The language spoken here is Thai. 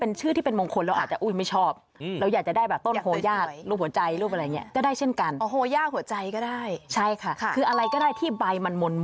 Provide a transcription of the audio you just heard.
โอ้โฮจะบ้าแล้วมันใหญ่เกินไป